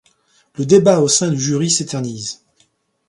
Le débat au sein du jury s'éternise.